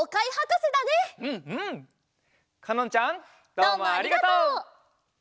どうもありがとう！